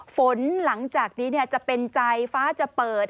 ฝนหลังจากนี้จะเป็นใจฟ้าจะเปิด